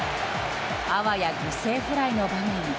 あわや犠牲フライの場面